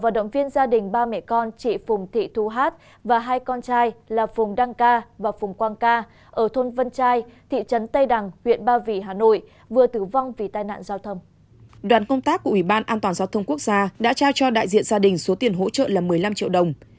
đoàn công tác của ủy ban an toàn giao thông quốc gia đã trao cho đại diện gia đình số tiền hỗ trợ là một mươi năm triệu đồng